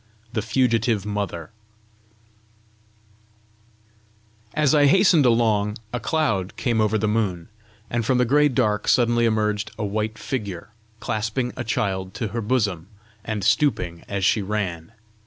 THE FUGITIVE MOTHER As I hastened along, a cloud came over the moon, and from the gray dark suddenly emerged a white figure, clasping a child to her bosom, and stooping as she ran.